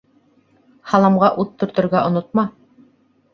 — Һаламға ут төртөргә онотма!